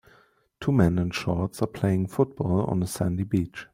Two men in shorts are playing football on a sandy beach